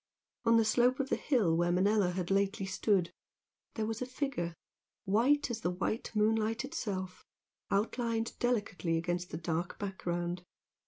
On the slope of the hill where Manella had lately stood, there was a figure, white as the white moonlight itself, outlined delicately against the dark background.